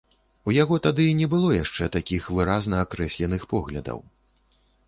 У яго тады не было яшчэ такіх выразна акрэсленых поглядаў.